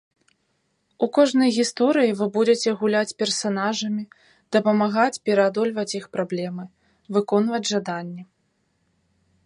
У кожнай гісторыі вы будзеце гуляць персанажамі, дапамагаць пераадольваць іх праблемы, выконваць жаданні.